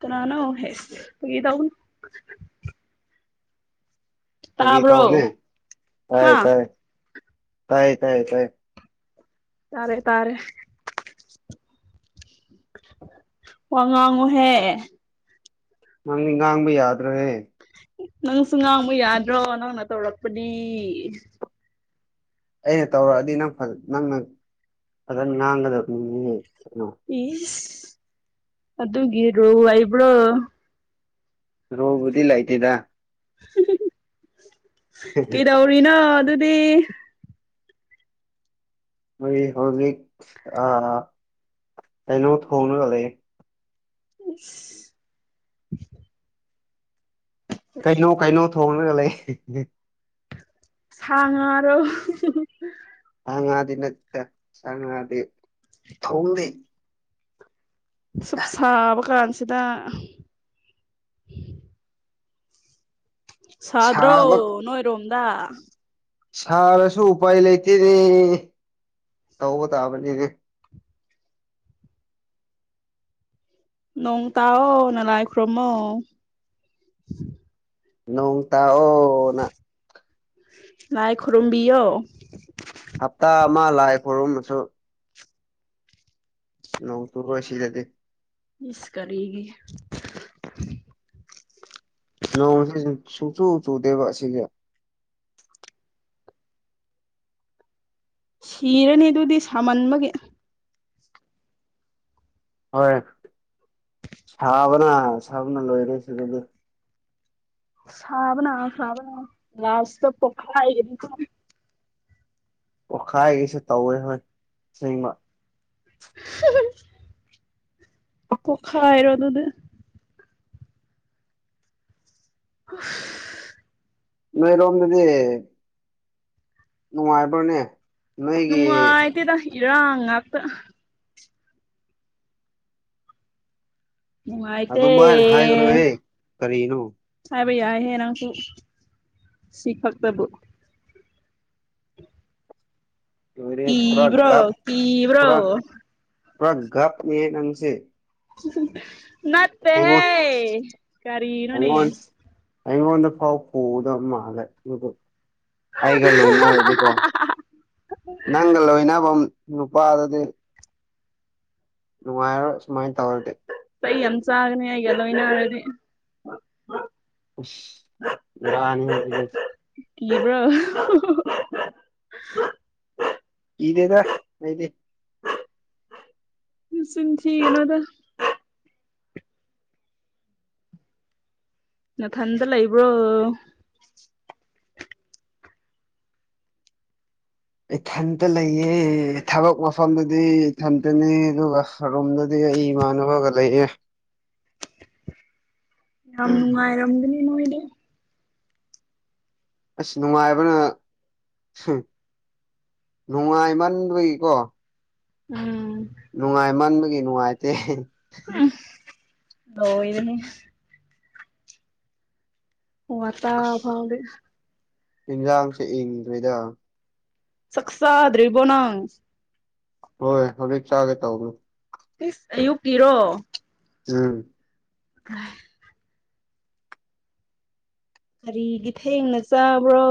ꯀꯅꯥꯅꯣ ꯑꯁ ꯐꯥꯒꯤ ꯇꯧꯕꯅꯤ ꯐꯥꯒꯤ ꯇꯥꯕ꯭ꯔꯣ ꯇꯧꯅꯦ ꯇꯥꯏ ꯍꯥ ꯇꯥꯏ ꯇꯥꯏ ꯇꯥꯏ ꯇꯥꯏ ꯇꯔꯦ ꯇꯥꯔꯦ ꯋꯥ ꯉꯥꯡꯉꯨꯍꯦ ꯅꯪ ꯉꯥꯡꯕ ꯌꯥꯗ꯭ꯔꯦ ꯅꯪꯁꯨ ꯉꯥꯡꯕ ꯌꯥꯗ꯭ꯔꯣ ꯅꯪꯅ ꯇꯧꯔꯛꯄꯗꯤ ꯑꯩꯅ ꯇꯧꯔꯛꯑꯗꯤ ꯅꯪ ꯅꯪꯅ ꯐꯖꯅ ꯉꯥꯡꯒꯗꯕꯅꯤ ꯏ ꯑꯗꯨꯒꯤ ꯔꯨ ꯍꯕ꯭ꯔꯣ ꯔꯣꯕꯨꯗꯤ ꯂꯥꯏꯇꯗ ꯀꯩꯗꯧꯔꯤꯅꯣ ꯑꯗꯨꯗꯤ ꯃꯣꯏ ꯍꯧꯖꯤꯛ ꯀꯩꯅꯣ ꯊꯣꯡꯅꯒ ꯂꯩ ꯑ ꯀꯩꯅꯣ ꯀꯩꯅꯣ ꯊꯣꯡꯉꯒ ꯂꯩ ꯁꯉꯔꯣ ꯁꯉꯥꯗꯤ ꯅꯠꯇ ꯁꯉꯥꯗꯤ ꯊꯣꯡꯗꯦ ꯁꯞ ꯁꯥꯕ ꯀꯥꯟꯁꯤꯗ ꯁꯥꯕ ꯁꯥꯗ꯭ꯔꯣꯅꯣ ꯏꯔꯣꯝꯗ ꯁꯥꯔꯁꯨ ꯎꯄꯥꯏ ꯂꯩꯇꯦꯅꯦ ꯇꯧꯕ ꯇꯥꯕꯅꯤꯗꯤ ꯅꯣꯡ ꯇꯣ ꯅ ꯂ ꯍꯥꯏ ꯈꯨ꯭ꯔꯣꯃꯣ ꯅꯣꯡꯇ ꯑꯣꯅ ꯉꯥꯏ ꯈꯨꯔꯨꯝꯕꯤ ꯑꯣ ꯍꯞꯇꯥ ꯑꯃ ꯂꯥꯛꯑꯦ ꯈꯔꯨꯝ ꯑꯃꯁꯁꯨ ꯅꯧ ꯇ ꯑꯁꯤ ꯂꯩꯗꯤ ꯏꯁꯀꯔꯤꯒꯤ ꯂꯣꯡ ꯁꯨ ꯆꯨ ꯆꯨ ꯗꯦꯕꯥ ꯁꯤꯒ ꯁꯤꯔꯅꯤ ꯑꯗꯨꯗꯤ ꯁꯥꯃꯟꯕꯒꯤ ꯍꯣꯏ ꯁꯕꯅ ꯁꯕꯅ ꯂꯣꯏꯔꯦꯁꯤ ꯁꯤꯗꯗꯤ ꯁꯥꯥꯕꯅ ꯁꯥꯕꯅ ꯂꯥꯁꯇ ꯄꯣꯈꯥꯏꯒꯅꯤꯀꯣ ꯄꯈꯥꯏꯒꯤꯁꯦ ꯇꯧꯋꯦ ꯍꯣꯏ ꯑꯁꯦꯡꯕ ꯍꯨꯝ ꯍꯨꯝ ꯀꯣꯈꯥꯏꯏꯔꯣ ꯑꯗꯨꯗꯤ ꯑꯁ ꯅꯣꯏꯔꯣꯝꯗꯗꯤ ꯅꯨꯡꯉꯥꯏꯕ꯭ꯔꯅꯦ ꯅꯣꯏꯒꯤ ꯅꯨꯡꯉꯥꯏꯇꯦꯗ ꯏꯔꯥꯡ ꯉꯥꯛꯇ ꯅꯨꯡꯥꯏꯇꯦ ꯑꯗꯨꯃꯥꯏꯅ ꯍꯥꯏꯒꯅꯨꯍꯦ ꯀꯔꯤꯅꯣ ꯇꯕ ꯌꯥꯏꯍꯦ ꯅꯪꯁꯨ ꯁꯤ ꯈꯛꯇꯕꯨ ꯑꯣꯏꯔꯦ ꯄꯨꯔ ꯀꯤꯕ꯭ꯔꯣ ꯒꯞ ꯀꯤꯕ꯭ꯔꯣ ꯄꯨꯔ ꯄꯨꯔ ꯒꯄꯅꯦ ꯅꯥꯪꯁꯦ ꯍꯨꯝ ꯍꯨꯝ ꯅꯠꯇ ꯍꯦ ꯀꯔꯤ ꯅꯣꯅꯦ ꯑꯩꯉꯣꯟ ꯑꯩꯉꯣꯟꯗ ꯐꯥꯎ ꯄꯨꯗꯕ ꯃꯥꯜꯂꯦ ꯑꯗꯨ ꯑꯩꯒ ꯂꯣꯏꯅꯔꯗꯤꯀꯣ ꯅꯪꯒ ꯂꯣꯏꯅꯕ ꯅꯨꯄꯥꯗꯗꯤ ꯅꯨꯡꯉꯥꯏꯔꯣꯏ ꯁꯨꯃꯥꯏꯅ ꯇꯧꯔꯗꯤ ꯆꯩ ꯌꯥꯝ ꯆꯥꯒꯅꯤ ꯑꯩꯒ ꯂꯣꯏꯅꯔꯗꯤ ꯑꯁ ꯕꯦꯔꯥꯅꯤ ꯍꯦ ꯁꯤꯗꯤ ꯀꯤꯕ꯭ꯔꯣ ꯍꯨ ꯍꯨ ꯍꯨ ꯀꯤꯗꯦꯗ ꯑꯩꯗꯤ ꯅꯆꯤꯟ ꯊꯤꯒꯅꯨꯗ ꯅꯊꯟꯗ ꯂꯩꯕ꯭ꯔꯣ ꯏꯊꯟꯇ ꯂꯩꯌꯦ ꯊꯕꯛ ꯃꯐꯝꯗꯗꯤ ꯏꯊꯟꯇꯅꯦ ꯑꯗꯨꯒ ꯔꯨꯝꯗꯗꯤ ꯑꯩ ꯏꯃꯥꯅꯕꯒ ꯂꯩꯌꯦ ꯌꯥꯝꯃ ꯅꯨꯡꯥꯏꯔꯝꯒꯅꯤ ꯅꯣꯏꯗꯤ ꯑꯁ ꯅꯨꯡꯉꯥꯏꯕꯅ ꯅꯨꯡꯉꯥꯏ ꯃꯟꯕꯒꯤꯀꯣ ꯎꯝ ꯅꯨꯡꯉꯥꯏꯃꯟꯕꯒꯤ ꯅꯨꯡꯉꯥꯏꯇꯦ ꯍꯦ ꯍꯦ ꯂꯣꯏꯔꯦꯍꯦ ꯋꯇ ꯐꯥꯎꯗꯤ ꯏꯟꯁꯥꯡꯁꯦ ꯏꯪꯗ꯭ꯔꯤꯗ ꯁꯛꯆꯗ꯭ꯔꯤꯕꯣ ꯅꯪ ꯍꯣꯏ ꯍꯣꯔꯦꯠ ꯆꯥꯒꯦ ꯇꯧꯕꯅꯤ꯫ ꯏꯁ ꯑꯌꯨꯛꯀꯤꯔꯣ ꯎꯝ [unintelligible] ꯀꯔꯤꯒꯤ ꯊꯦꯡꯅ ꯆꯥꯕ꯭ꯔꯣ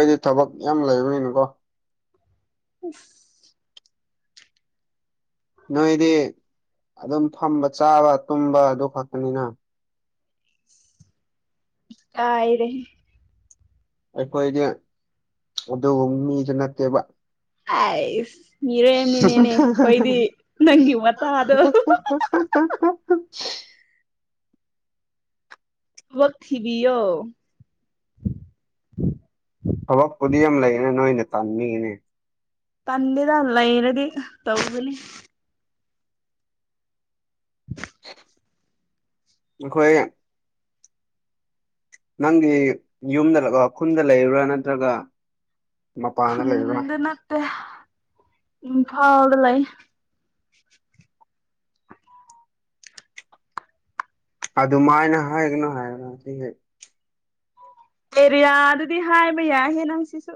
ꯑꯩꯗꯤ ꯊꯕꯛ ꯌꯥꯝ ꯂꯩꯕꯒꯤꯅꯤꯀꯣ ꯎꯝ ꯅꯣꯏꯗꯤ ꯑꯗꯨꯝ ꯐꯝꯕ ꯆꯥꯕ ꯇꯨꯝꯕ ꯑꯗꯨ ꯈꯛꯇꯅꯤꯅ ꯑꯏꯔꯦ ꯍꯦ ꯑꯩꯈꯣꯏꯗꯤ ꯑꯗꯨꯒ ꯃꯤꯁꯨ ꯅꯠꯇꯦꯕ ꯑꯏꯁ ꯃꯤꯔꯣꯃꯤꯅꯤ ꯅꯦꯅꯦ ꯑꯩꯈꯣꯏꯗꯤ ꯅꯪꯒꯤ ꯋꯥꯇꯗꯣ ꯍꯨ ꯍꯨ ꯍꯨ ꯍꯥ ꯍꯥ [inaudible] ꯊꯕꯛ ꯊꯤꯕꯤꯌꯣ ꯊꯕꯛꯄꯨꯗꯤ ꯌꯥꯝ ꯂꯩꯌꯦꯅ ꯅꯣꯏꯅ ꯇꯥꯟꯅꯤꯡꯉꯅꯦ ꯇꯟꯦꯗ ꯂ ꯏꯔꯗꯤ ꯇꯧꯒꯅꯤ ꯑꯩꯈꯣꯏ ꯅꯪꯒꯤ ꯌꯨꯝꯗ ꯈꯨꯟꯗ ꯂꯩꯕꯨꯔꯥ ꯅꯠꯇ꯭ꯔꯒ ꯃꯄꯥꯟꯗ ꯂꯩꯕ꯭ꯔꯥ ꯈꯨꯟꯗ ꯅꯠꯇꯦ ꯎ ꯐꯥꯎꯕ ꯂꯩ ꯑꯗꯨꯃꯥꯏꯅ ꯍꯥꯏꯒꯅꯨ ꯍꯥꯏꯔꯅ ꯑꯦꯔꯤꯌꯥ ꯑꯗꯨꯗꯤ ꯍꯥꯏꯕ ꯌꯥꯏ ꯍꯦꯟꯅ ꯁꯤꯁꯨ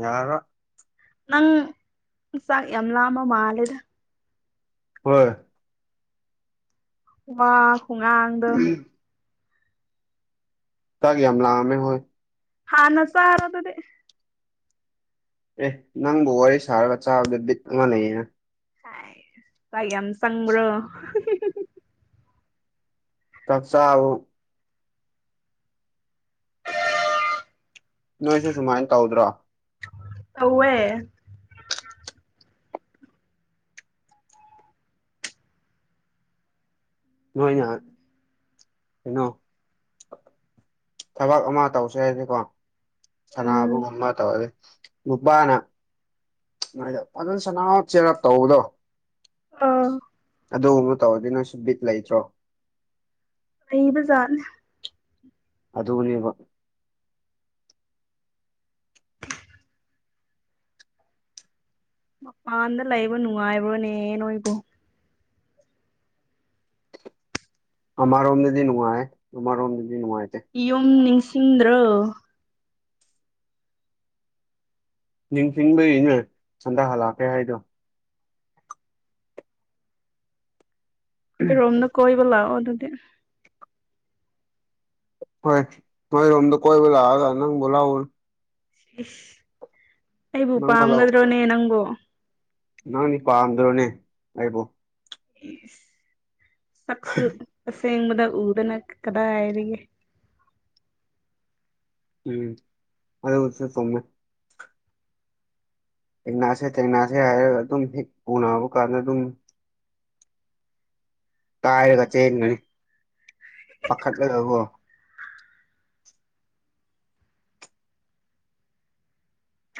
ꯌꯥꯔ ꯅꯪ ꯌꯥꯝꯝ ꯂꯃ ꯃꯥꯂꯦꯗ ꯍꯣꯏ ꯋꯥ ꯈꯨꯉꯗ ꯇꯥꯒꯤ ꯍꯝꯂ ꯑꯃꯃꯦ ꯍꯣꯏ ꯍꯥꯟ ꯅꯆꯥ ꯑꯔ ꯇ ꯑꯦ ꯅꯪ ꯕ ꯄꯨꯋꯥꯔꯤ ꯁꯥꯔꯒ ꯆꯥꯕꯗꯠ ꯑꯃ ꯂꯩꯌꯦ ꯍꯥꯏ ꯀꯥꯏ ꯌꯥꯝ ꯆꯒ꯭ꯔꯣ ꯇꯞꯁꯕꯨ ꯅꯣꯏꯁꯦ ꯁꯨꯃꯥꯏꯅ ꯇꯧꯗ꯭ꯔꯣ ꯇꯧꯋꯦ ꯅꯣꯏ ꯅꯍꯥꯟ ꯀꯩꯅꯣ ꯊꯕꯛ ꯑꯃ ꯇꯧꯁꯦ ꯍꯥꯏꯗꯤꯀꯣ ꯎꯝ ꯁꯅꯕꯒꯨꯝꯕ ꯇꯧꯔꯗꯤ ꯅꯨꯄꯥꯅꯗ ꯐꯖꯅ ꯁꯅꯥ ꯆꯦꯔꯞ ꯇꯧꯕꯗꯣ ꯑꯥ ꯑꯗꯨꯒꯨꯝꯕ ꯇꯧꯔꯗꯨꯅ ꯁꯨꯕꯤꯠ ꯂꯩꯇ꯭ꯔꯣ ꯑ ꯖꯥꯔꯅꯦ ꯑꯗꯨꯅꯦꯕ ꯃꯄꯥꯟꯗ ꯂꯩꯕ ꯅꯨꯡꯉꯥꯏꯕ꯭ꯔꯣꯅꯦ ꯅꯣꯏꯕꯨ ꯑꯥꯔꯣꯝꯅꯗꯤꯅꯅꯨꯡꯍꯦ ꯇꯔꯣ ꯑꯣꯝ ꯌꯨꯝ ꯅꯤꯡꯁꯤꯡꯗ꯭ꯔꯣ ꯅꯤꯡꯊꯕꯒꯤꯅꯦ ꯁꯟꯗꯍꯜꯂꯛꯀꯦ ꯍꯥꯏꯗꯣ ꯔꯣꯝꯗ ꯀꯣꯏꯕ ꯂꯥꯛꯑꯣ ꯑꯗꯨꯗꯤ ꯍꯣꯏ ꯃꯣꯏ ꯔꯣꯝꯗ ꯀꯣꯏꯕꯨ ꯂꯑꯒ ꯅꯪ ꯣꯂ ꯏꯁ ꯑꯩꯕꯨ ꯅꯪꯕ ꯂꯧ ꯄꯥꯝꯒꯗ꯭ꯔꯣꯅꯦ ꯅꯪꯒꯣ ꯅꯪꯗꯤ ꯄꯥꯝꯗ꯭ꯔꯣꯅꯦ ꯑꯩꯕꯨꯣ ꯆꯛꯁꯨ ꯁꯦꯡꯕꯗ ꯎꯗꯅ ꯀꯗꯥ ꯍꯥꯏꯔꯤꯒꯦ ꯎꯝ ꯑ ꯑꯣꯏꯁꯨ ꯁꯣꯉ ꯍꯛꯅꯥꯁꯦ ꯇꯦꯡꯅꯥꯁꯦ ꯍꯥꯏꯔꯒ ꯑꯗꯨꯝ ꯍꯦꯛ ꯄꯨꯅꯕ ꯀꯥꯟꯗ ꯑꯗꯨꯝ ꯀꯥꯏꯔꯒ ꯆꯦꯟꯒꯅꯤ ꯄꯥꯈꯠꯂꯣ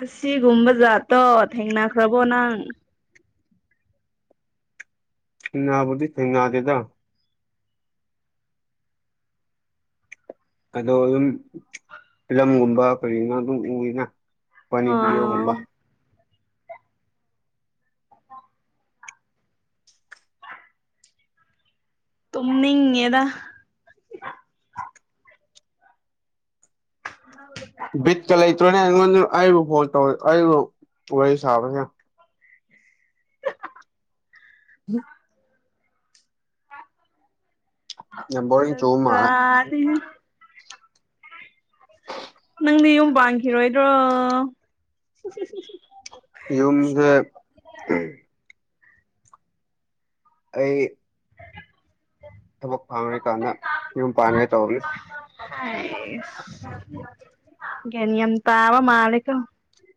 ꯑꯁꯤꯒꯨꯝꯕ ꯖꯥꯠꯇꯣ ꯊꯦꯡꯅꯈ꯭ꯔꯕꯣ ꯅꯪ ꯅꯅꯥꯕꯨꯗꯤ ꯊ ꯅꯅꯥꯗꯦꯗ ꯑꯗꯣ ꯑꯗꯨꯝ ꯐꯤꯂꯝꯒꯨꯝꯕ ꯀꯔꯤꯅ ꯑꯗꯨꯝ ꯎꯔꯤꯅ ꯄꯅꯤ ꯄꯌꯣ ꯑꯥ ꯍꯕ ꯇꯣꯝꯅ ꯌꯦꯗꯥ ꯕꯤꯠꯀ ꯂꯩꯇ꯭ꯔꯣꯅꯦ ꯑꯩꯉꯣꯟꯗ ꯑꯩꯕꯨ ꯐꯣꯟ ꯇꯧ ꯑꯩꯕꯨ ꯋꯥꯔꯤ ꯁꯥꯕꯅꯦ ꯎꯝ ꯌꯥꯝ ꯕꯣꯔꯤꯡ ꯆꯨꯕ ꯆ ꯃꯥꯜꯂꯦ ꯅꯪꯗꯤ ꯌꯨꯝ ꯄꯥꯟꯈꯤꯔꯣꯏꯗ꯭ꯔꯣ ꯌꯨꯝꯁꯦ ꯑꯩ ꯊꯕꯛ ꯐꯥꯡꯉꯔꯤꯀꯥꯟꯗ ꯌꯨꯝ ꯄꯥꯟꯉꯦ ꯇꯧꯅꯤ ꯑꯥꯁ ꯒ꯭ꯌꯥꯟ ꯌꯥꯝ ꯇꯥꯕ ꯃꯥꯜꯂꯦꯀꯣ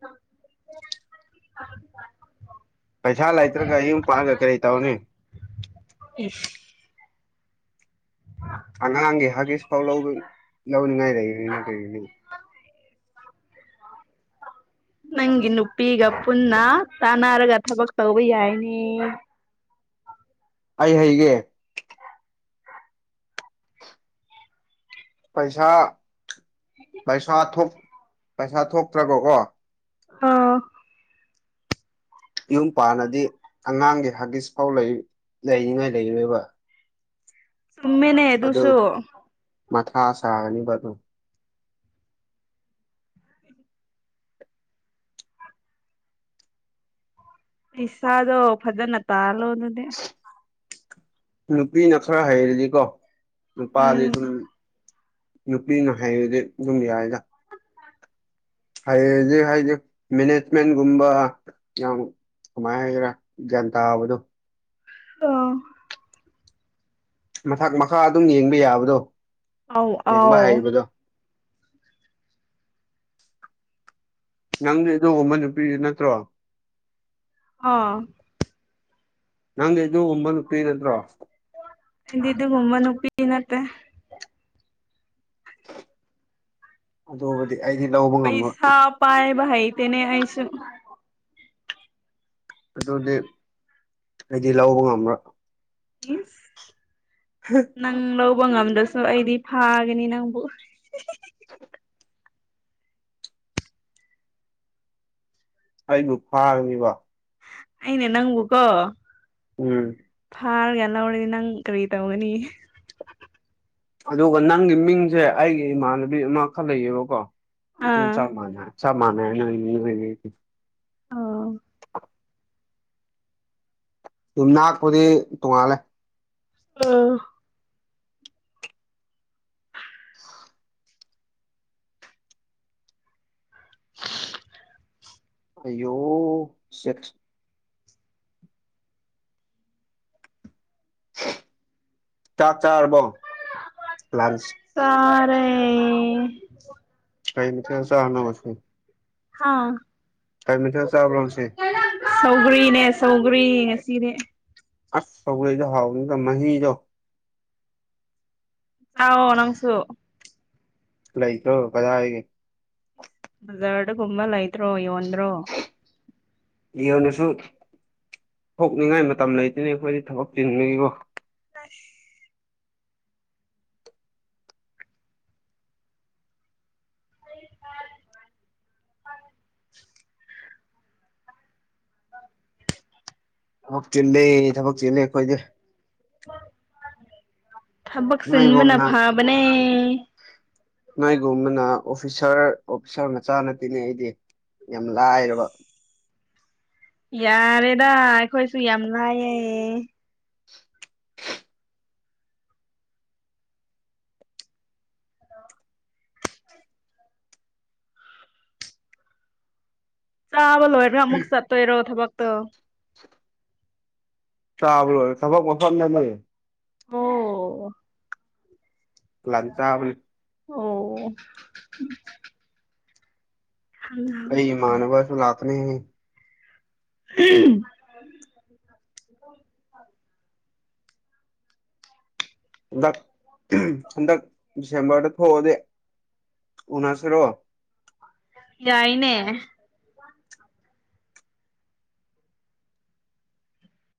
[inaudible] ꯄꯩꯁꯥ ꯂꯩꯇ꯭ꯔꯒ ꯌꯨꯝ ꯄꯥꯜꯂꯒ ꯀꯩ ꯇꯧꯅꯤ ꯏꯁ ꯑꯉꯥꯡꯒꯤ ꯍꯥꯒꯤꯁ ꯐꯥꯎ ꯂꯧꯕ ꯂꯧꯅꯤꯡꯉꯥꯏ ꯂꯩꯔꯣꯏꯅꯦ ꯀꯩꯅꯣ [inaudible] ꯅꯪꯒꯤ ꯅꯨꯄꯤꯒ ꯄꯨꯟꯅꯥ ꯇꯥꯟꯅꯔꯒ ꯊꯥꯕꯛ ꯇꯧꯕ ꯌꯥꯏꯅꯦ ꯑꯩ ꯍꯥꯏꯒꯦ ꯄꯩꯁꯥ ꯄꯩꯁꯥ ꯄꯩꯁꯥ ꯊꯣꯛꯇ꯭ꯔꯥꯕꯀꯣ ꯑꯥ ꯌꯨꯝ ꯄꯥꯜꯂꯗꯤ ꯑꯉꯥꯡꯒꯤ ꯍꯥꯒꯤꯁ ꯐꯥꯎ ꯂꯩꯅꯤꯡꯉꯥꯏ ꯂꯩꯔꯥꯔꯣꯏ ꯆꯨꯝꯃꯦꯅꯦ ꯑꯗꯨꯁꯨ ꯃꯊꯥ ꯁꯥꯅꯤꯡꯕ ꯄꯩꯁꯥꯗꯣ ꯐꯥꯖꯅ ꯇꯥꯜꯂꯣ ꯑꯗꯨꯗꯤ ꯅꯨꯄꯤ ꯈꯔ ꯍꯩꯔꯦꯀꯣ ꯅꯨꯄꯥꯗꯤ ꯎꯝ ꯑꯗꯨꯝ ꯅꯨꯄꯤꯅ ꯍꯩꯔꯗꯤ ꯑꯗꯨꯝ ꯌꯥꯏꯗ ꯍꯩꯔꯗꯤ ꯍꯥꯏꯗꯤ ꯃꯦꯅꯦꯖꯃꯦꯟꯒꯨꯝꯕ ꯌꯥꯝ ꯀꯃꯥꯏꯟ ꯍꯥꯏꯁꯤꯔꯥ ꯒ꯭ꯌꯥꯟ ꯇꯥꯕꯗꯣ ꯑꯥ ꯃꯊꯛ ꯃꯈꯥ ꯑꯗꯨꯝ ꯌꯦꯡꯕ ꯌꯥꯕꯗꯣ ꯑꯧ ꯌꯦꯡꯕ ꯑꯧ ꯍꯩꯕꯗꯣ ꯅꯪꯗꯤ ꯑꯗꯨꯒꯨꯝꯕ ꯅꯨꯄꯤꯅꯤ ꯅꯠꯇ꯭ꯔꯣ ꯑꯥ ꯅꯪꯗꯤ ꯑꯗꯨꯒꯨꯝꯕ ꯅꯨꯄꯤ ꯅꯠꯇ꯭ꯔꯣ ꯑꯩꯗꯤ ꯑꯗꯨꯒꯨꯝꯕ ꯅꯨꯄꯤ ꯅꯠꯇꯦ ꯑꯗꯨꯗꯤ ꯄꯩꯁꯥ ꯄꯥꯏꯕ ꯍꯩꯇꯦꯅꯦ ꯑꯩꯁꯨ ꯑꯗꯨꯗꯤ ꯑꯩꯗꯤ ꯂꯧꯕ ꯉꯝꯃꯣꯏ ꯏꯁ ꯅꯪꯂꯧ ꯇꯧꯕ ꯉꯝꯗ꯭ꯔꯥꯁꯨ ꯑꯩꯗꯤ ꯐꯥꯒꯅꯤ ꯅꯪꯕꯨ [inaudible] ꯑꯩꯕꯨ ꯐꯥꯒꯅꯦꯕ ꯑꯩꯅ ꯅꯪꯕꯨ ꯀꯣ ꯑꯝ ꯐꯥꯔꯒ ꯂꯧꯔꯗꯤ ꯅꯪ ꯀꯔꯤ ꯇꯧꯒꯅꯤ ꯑꯗꯨꯒ ꯅꯪꯒꯤ ꯃꯤꯡꯁꯦ ꯑꯩꯒꯤ ꯏꯃꯥꯟꯅꯕꯤ ꯑꯃꯥꯈꯛ ꯂꯩꯌꯦꯕꯥꯀꯣ ꯑꯥ ꯆꯝ ꯃꯥꯟꯅꯩ ꯆꯝ ꯃꯥꯟꯅꯩ ꯅꯪꯒꯤ ꯑꯥ ꯌꯨꯝꯅꯥꯛꯄꯨꯗꯤ ꯇꯣꯡꯉꯥꯜꯂꯦ ꯑꯥ [inaudible] ꯑꯌꯣ ꯁꯤꯛꯁ ꯆꯥꯛ ꯆꯔꯕ꯭ꯔꯣ ꯂꯟꯁ ꯏꯁ ꯀꯤꯝꯇ ꯆꯗ꯭ꯔꯣ ꯉꯁꯤ ꯍꯥꯥ ꯀꯤꯝꯇ ꯆꯥꯕ꯭ꯔꯣ ꯉꯁꯤ ꯁꯧꯒ꯭ꯔꯤꯅꯦ ꯁꯧꯒ꯭ꯔꯤ ꯉꯁꯤꯅꯦ ꯑꯁ ꯁꯧꯒ꯭ꯔꯤꯗꯨ ꯍꯥꯎꯕꯅꯤꯗꯣ ꯃꯍꯤꯗꯣ ꯆꯥꯑꯣ ꯅꯪꯁꯨ ꯂꯩ ꯀ꯭ꯔꯣ ꯀꯖꯥ ꯍꯥꯏ ꯖꯔꯗ ꯀꯨꯝꯕ ꯂꯩꯇ꯭ꯔꯣ ꯌꯣꯟꯗ꯭ꯔꯣ ꯌꯣꯟꯅꯁꯨ ꯊꯣꯛꯅꯤꯡꯉꯥꯏ ꯃꯇꯝ ꯂꯩꯇꯅ ꯑꯩꯈꯣꯏꯗꯤ ꯊꯕꯛ ꯆꯤꯟꯕꯒꯤꯀꯣ ꯑꯁ ꯊꯕꯛ ꯆꯤꯂꯦ ꯊꯕꯛ ꯆꯤꯂꯦ ꯑꯩꯈꯣꯏꯗꯤ ꯊꯕꯛ ꯆꯤꯟꯕꯅ ꯅꯣꯏꯒꯨꯝꯅ ꯐꯥꯕꯅꯦ ꯅꯣꯏꯒꯨꯝꯕꯅ ꯑꯣꯐꯤꯁꯥꯔ ꯑꯣꯐꯤꯁꯥꯔ ꯃꯆꯥ ꯅꯠꯇꯦꯅꯦ ꯑꯩꯗꯤ ꯌꯥꯝ ꯂꯥꯏꯔꯕ ꯌꯥꯔꯦꯗ ꯑꯩꯈꯣꯏꯁꯨ ꯌꯥꯝ ꯂꯥꯏꯌꯦ ꯆꯥꯕ ꯂꯣꯏꯔ ꯑꯃꯨꯛ ꯆꯇꯣꯏꯔꯣ ꯊꯕꯛꯇꯣ ꯆꯥꯕ ꯂꯣꯢ ꯊꯕꯛ ꯃꯐꯝꯗꯅꯦ ꯑꯣ ꯂꯟꯁ ꯆꯥꯕꯅꯦ ꯑꯣ ꯑꯩ ꯏꯃꯥꯟꯕꯁꯨ ꯂꯥꯛꯀꯅꯤ ꯑꯍꯝ ꯍꯟꯗꯛ ꯍꯟꯗꯛ ꯗꯤꯁꯦꯝꯕꯔꯗ ꯊꯣꯛꯑꯗꯤ ꯎꯅꯁꯤꯔꯣ ꯌꯥꯏꯅꯦ